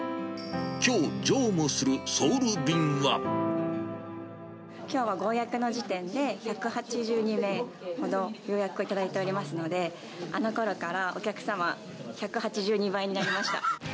きょう、きょうはご予約の時点で、１８２名ほどご予約を頂いておりますので、あのころから、お客様、１８２倍になりました。